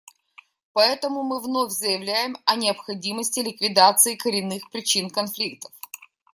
Поэтому мы вновь заявляем о необходимости ликвидации коренных причин конфликтов.